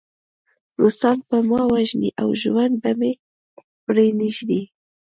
روسان به ما وژني او ژوندی به مې پرېنږدي